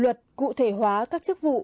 luật cụ thể hóa các chức vụ